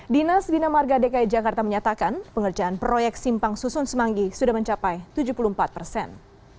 dinas bina marga dki jakarta menyatakan pengerjaan proyek simpang susun semanggi sudah mencapai tujuh puluh empat persen